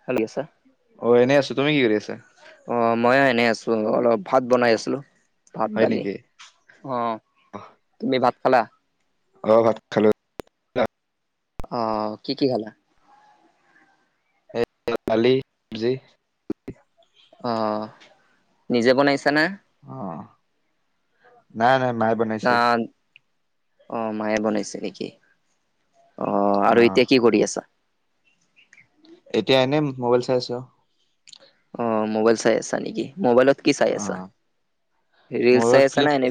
[unintelligible] অ এনেই আছো তুমি কি কৰি আছা। অ মইয়ে এনে আছো অলপ ভাত বনাই আছিলো ভাত হয় দালি। নেকি অ তুমি ভাত খালা। অ ভাত খালো। অ কি কি খালা। এ কালি যি, অ নিজে বনাইছা না, অ নাই নাই মায়ে না বনাইছে। অ মায়ে বনাইছে নেকি অ আৰু এতিয়া কি কৰি আছা। এতিয়া এনে মোবাইল চাই আছো। অ মোবাইল চাই আছা নেকি মোবাইলত কি চাই অ আছ ৰিল চাই মোবাইলত আছা ফিল্ম নে,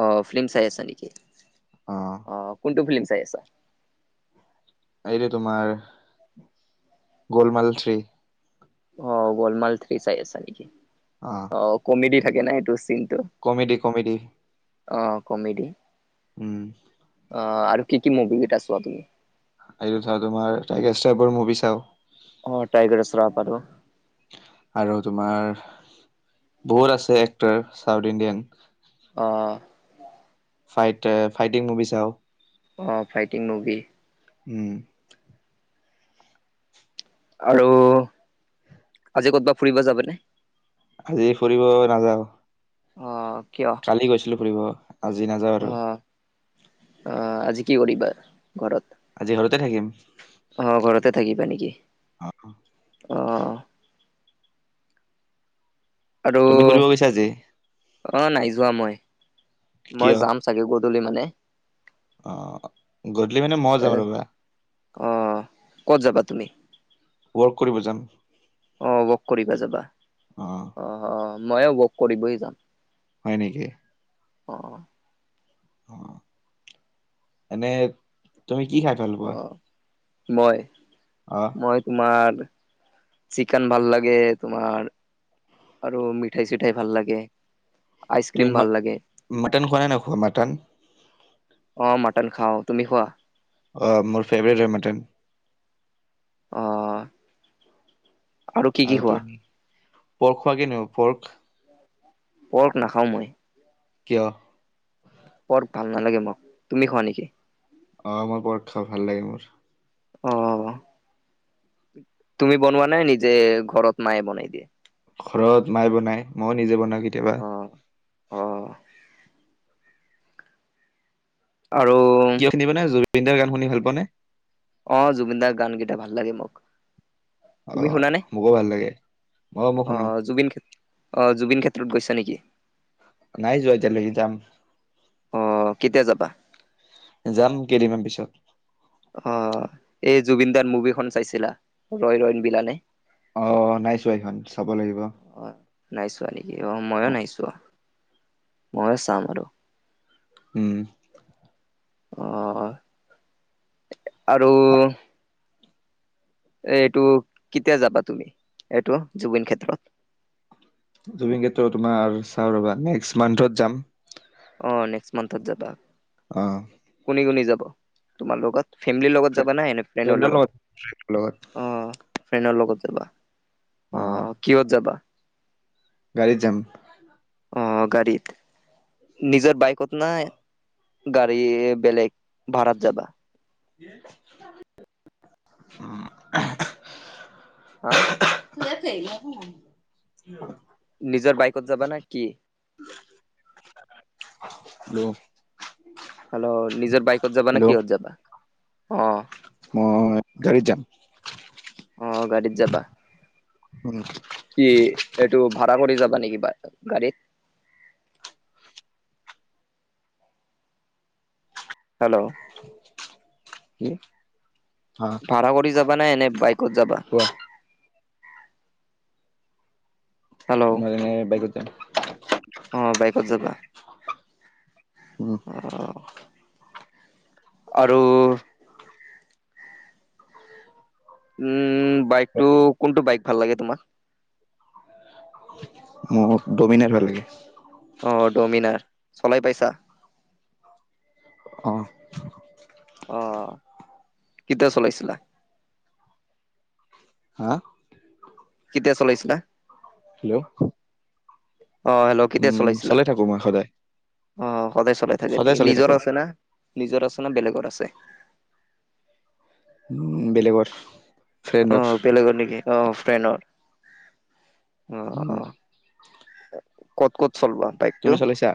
অ ফিল্ম চাই আছা নেকি অ আহ কোনটো ফিল্ম চাই আছা। এইটো তোমাৰ গলমাল থ্ৰী, অ গলমাল থ্ৰী চাই আছা নেকি অ কমেদি থাকে ন সেইটো চিনটো। Comedy comedy. অ কমেডি। উম, অ আৰু কি কি মুভি কেইটা চোৱা তুমি, এইটো তোমাৰটো [unintelligible] মুভি চাও, অ টাইগাৰছ ৰাপ আৰু আৰু তোমাৰ বহুত আছে এক্টাৰ চাউথ ইণ্ডিয়ান। অ, ফাইট ফাইটিং মুভি চওঁ, অ ফাইটিং মভি উম আৰু আজি ক'তবা ফুৰিব যাবা নে আজি ফুৰিব নাযাও অ কিয় কালি গৈছিলো ফুৰিব আজি নাযাওঁ অ আৰু আজি কি কৰিবা ঘৰত আজি ঘৰতে থাকিম অ ঘৰতে থাকিবা নেকি অহ আৰু তুমি ফুৰিব গৈছা আজি অ নাই যোৱা মই মই কিয় যাম চাগে গধূলি মানে অ গধূলি মানে ময়ো এ যাম ৰবা অ ক'ত যাবা তুমি ৱৰ্ক কৰিব যাম অ ৱৰ্ক কৰিব যাবা অ অ ময়ো ৱৰ্ক কৰিবই যাম হয় নেকি অ অ এনে তুমি কি খাই ভাল অ পোৱা মই অ মই তোমাৰ চিকেন ভাল লাগে তোমাৰ আৰু মিঠাই চিঠাই ভাল লাগে আইচ তুমি ক্ৰীম ভাল লাগে মটন খোৱা নে নোখোৱা মটন অ মটন খাও তুমি খোৱা অ মোৰ ফেভেৰেট হয় মটন অ কি কি আৰু খোৱা? তুমি পৰ্ক খোৱা কি পৰ্ক পৰ্ক নাখাওঁ মই কিয় পৰ্ক ভাল নালাগে মোক তুমি খোৱা নেকি অ মোৰ পৰ্ক খাঁও ভাল লাগে মোৰ অ তুমি বনোৱা নে নিজে ঘৰত মায়ে বনাই দিয়ে ঘৰত মায়ে বনাই ময়ো নিজে বনাওঁ কেতিয়াবা অ অ আৰু [unintelligible] জুবিনদা গান শুনি ভাল পোৱাে নে অ জুবিন দাৰ গানকেইটা ভাল লাগে মোক অ তুমি শুনা নে মোকো ভাল লাগে মই অ শুনো জুবিন অ জুবিন ক্ষেত্ৰত গৈছা নেকি নাই যোৱা এতিয়ালৈকে যাম অ কেতিয়া যাবা যাম কেইদিনমান পিছত অ এই জুবিন দাৰ মুভিখন চাইছিলা ৰৈ ৰৈ বিনালে অ নাই চোৱা এইখন চাব লাগিব অ নাইচোৱা নেকি অ ময়ো নাইচোৱা ময়ো চাম আৰু উম অ আৰু এ এইটো কেতিয়া যাবা তুমি এইটো জুবিন ক্ষেত্ৰত জুবিনক্ষেত্ৰ তোমাৰ চাওঁ ৰবা। নেক্স মান্থত যাম। অঁ, নেক্স মন্থত যাবা। অঁ। কোনি কোনি যাব তোমাৰ লগত। ফেমিলিৰ লগত ফ্ৰে- যাবা না, এনে ফ্ৰেণ্ডৰ লগত ফ্ৰেণ্ডৰ লগত? অঁ। ফ্ৰেণ্ডৰ লগত যাবা। অঁ। কিহত যাবা? গাড়ীত যাম। অঁ গাড়ীত। নিজৰ বাইকত না গাড়ী বেলেগ? ভাড়াত যাবা? উম আস আস। হাঁ [unintelligible] নিজৰ বাইকত যাবা না কি? হেল্ল! হেল্ল! নিজৰ বাইকত যাবা নে হেল্ল' কিহত যাবা? অঁ মই গাড়ীত যাম। অঁ, গাড়ীত যাবা? উম। কি এইটো ভাড়া কৰি যাবা নেকি বা গাড়ীত? হেল্ল! কি? হা ভাড়া কৰি যাবা নে এনে বাইকত যাবা? কোৱা মই যেনে বাইকত যাম। অঁ, বাইকত যাবা? উম। অ আৰু উম বাইকটো কোনটো বাইক ভাল লাগে তোমাৰ? মোক ডমিনাৰ ভাল লাগে। অঁ, ডমিনাৰ চলাই পাইছা? অঁহ্। অঁ কেতিয়া চলাইছিলা? হা কেতিয়া চলাইছিলা? হেল্ল' অঁ হেল্ল! কেতিয়া উম চলাইছিলা? চলাই থাকো মই সদায় অঁ সদায় চলাই থাকে সদায় নেকি? চলাই নিজৰ থাকো আছে না, নিজৰ আছে না বেলেগৰ আছে? উম বেলেগৰ। ফ্ৰেণ্ডৰ অঁ বেলেগ নেকি? অঁ, ফ্ৰেণ্ডৰ অঁ উম অঁ। ক'ত ক'ত চলোৱা বাইকটো? তুমি চলাইছা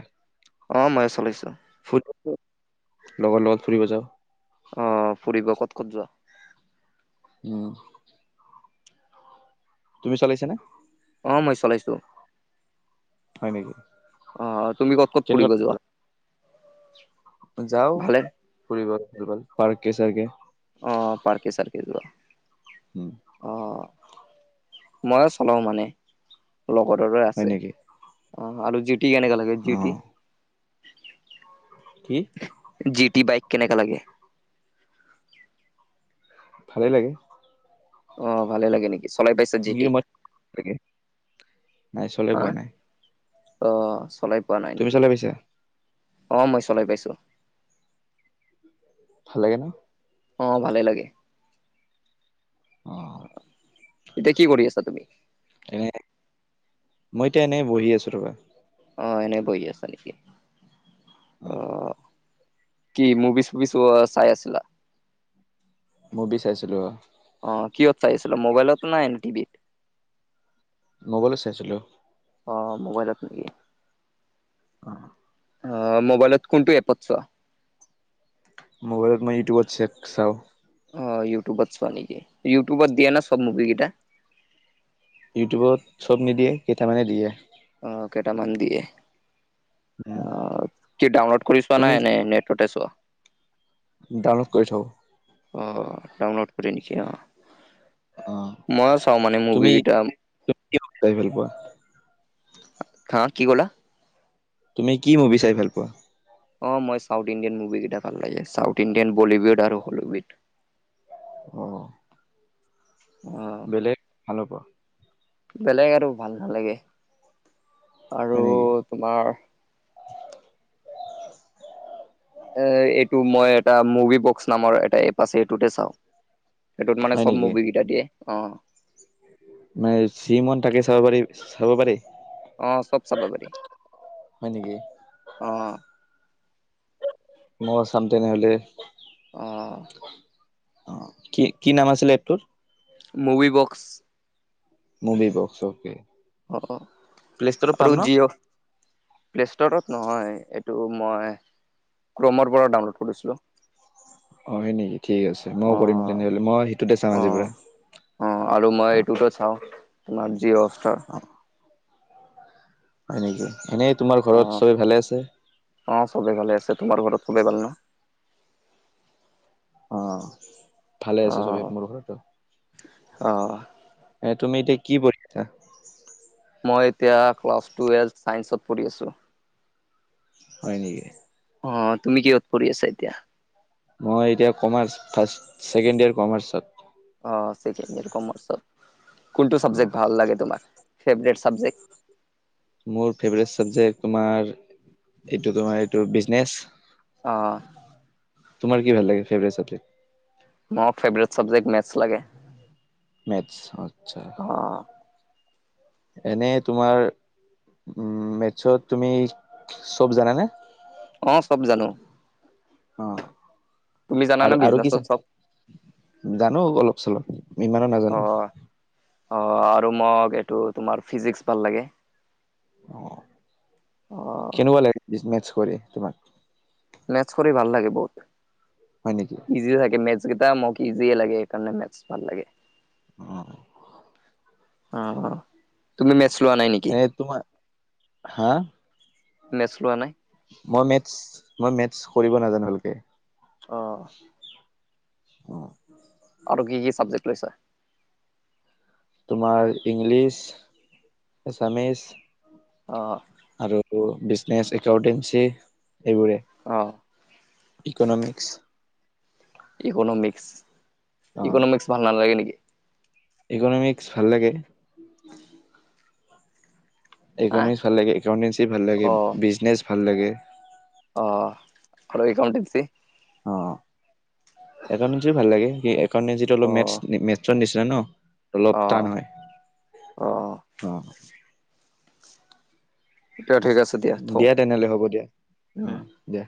অঁ মই চলাইছোঁ। ফুৰিব যাওঁ, লগৰ লগত ফুৰিব যাওঁ। অঁ ফুৰিব ক'ত ক'ত যোৱা? উম তুমি চলাইছা নে? অঁ মই চলাইছোঁ। হয় নেকি? অঁ তুমি ক'ত ক'ত ফুৰিব যোৱা? যাও ভালে ফুৰিব ফুৰিব পাৰকে চাৰকে অ পাৰকে চাৰকে যোৱা। হম মই চলাও মানে লগত দৰে হয় আছে নেকি অ আৰু জিতিি কেনেকা লাগে। অ ডিউটি কি? জি টি বাইক কেনেকা লাগে। ভালেই লাগে। অ ভালে লাগে নেকি? চলাই পাইছ যেতি কিন্তু মই লাগে নাই চলাই হা পোৱা নাই অ চলাই পোৱা নাই তুমি নেকি? চলাই পাইছা অ মই চলাই পাইছো। ভাল লাগে নে অ ভালে লাগে অ এতিয়া কি কৰি আছা তুমি? এনে মই এতিয়া এনে বহি আছো ৰবা। অ এনে আছা নেকি? অ কি মুভিচ ফুভিচ চাই আছিলা মুভি চাইছিলো অ। অ কিয়ত চাই ছিল মোবাইলতো না তিভি ত মোবালত চাইছিলো। অ মোবাইলত নেকি? অ অ মোবাইলত কোনটো এপত চোৱা। মোবাইলত মই ইউটউবত চেক চাওঁ অ ইউটিউবত চোৱা নেকি ইউটিউবত দিয়ে না চব মুভি কেইটা। ইউটিউবত চব নিদিয়ে কেইটামানে দিয়ে। অ কেইটামান দিয়ে। উম, অ কি ডাউনল'ড কৰিছোৱা তুমি নে নেটতে চোৱা। ডাউনলোড কৰি চাউ অঁ ডাউনলোড কৰে নেকি? অঁ অ মই চাওঁ মানে মুবি তুমি কিটা। তুমি কি মুভি চাই ভাল পোৱা হা কি ক'লা। তুমি কি মুভি চাই ভাল পোৱা। অ মই চাউথ ইণ্ডিয়ান মুভ কেইটা ভাল লাগে চাউথ, ইণ্ডিয়ান বলীউড, আৰু হলিউড, অ আ বেলেগ ভাল হ'ব বেলেগ আৰু ভাল নালাগে হয় আৰু নেকি তোমাৰ এ এইটো মই এটা মুভি বক্স নামৰ এটা এপ আছে এইটোতে চাওঁ। সেইটোত মানে হয় চব নেকি মুভি কেইটা দিয়ে অ নাই জি মন থাকে চাব পাৰি চাব পাৰি। অ চব চাব পাৰি। হয় নেকি? অ', মই চাম তেনেহলে অ'। অ কি কি নাম আছিলে এপটোৰ movie box movie box okay অ প্লে ষ্টৰত পাম আৰু ন যি প্লেষ্টৰত নহয় এইটো মই ক্ৰমৰ পৰা ডাউনলোড কৰিছিলোঁ। হয় নেকি ঠিক আছে মইও কৰিম অ'। তেনেহ'লে মই ততে চাম আজি অ', পৰা অ আৰু মই অ এইতো চাও তোমাৰ যি অৱস্থা হয় নেকি এনেই তোমাৰ অ'। ঘৰত চবেই ভালে আছে। অ সবেই ভালে আছে তোমাৰ ঘৰত সবেই ভাল ন অ ভালে অ আছে চব এক মোৰ ঘৰটো অ এ তুমি এতিয়া কি পঢ়িছা মই এতিয়া ক্লাছ টোৱেলভ চাইন্সত পঢ়ি আছো। হয় নেকি। অ তুমি কিহত পৰি আছা এতিয়া মই এতিয়া কমাৰ্চ ফাৰ্ষ্ট ছেকেণ্ড ইয়েৰ কমাৰ্চত অ ছেকেণ্ড ইয়েৰৰ কমাৰ্চত কোনটো অ চাবজেক ভাল লাগে তোমাৰ ফেভৰেত মোৰ ফেভৰেট চাবজেক্ট তোমাৰল এইটো তোমাৰ এইটো বিজনেচ অঁ তোমৰ কি ভাল লাগে ফেভৰেত চাবজেক মোৰ ফেভৰেট চাবজেক্ট মেথছ লাগে মেথছ আচ্ছা অ এনে তোমাৰ উ মেথছত তুমি চব জানানে। অ চব জানো অ তুমি জানানে আৰু আৰু কি বিজনেচত চা চব জানো অলপ চলপ ইমানো অ নাজানো অ আৰু মোক এইটো তোমাৰ ফিজিক্স ভাল লাগে। অ অ কেনেকুৱা লাগি বিকনেছ কৰি তোমাক মেথচ কৰি ভাল লাগে বহুত হয় নেকি। ইজি মেথছ কেইটা ম ইজিয়ে লাগে সেইকাৰণে মেথছ ভাল লাগে উ অ তুমি মেথচ লোৱা নাই নেকি। এ তোমাৰ হা মেথচ লোৱা নাই। মই মেথছ মই মেথছ কৰিব নাজানো ভালকে অ অ', আৰু কি কি চাবজেক্ট লৈছে তোমাৰ ইংলিছ এছামিচ অঁ আৰু বিজনেচ একাউন্টেঞ্চি এইবোৰে অঁ ইকনমিক্স ইকনমিক্স অ', ইকনমিক্স ভাল নালাগে নেকি? ইকনমিক্স ভাল লাগে উ ইকনমিক্স ভাল লাগে একাউণ্টেঞ্চি ভাল লাগে অ বিজনেছ ভাল লাগে অ আৰু একাউণ্টেনচি অ একাউণ্টেঞ্চি ভাল লাগে কি একাউণ্টেঞ্চিটো অলপ অ মেটছ মেটছৰ নিচিনা ন অলপ অ টান হয় অ অ এতিয়া ঠিক আছে দিয়া তেনেহলে হ'ব দিয়া উম অ দিয়া